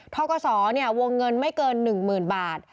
ทกศวงเงินไม่เกิน๑๐๐๐บาท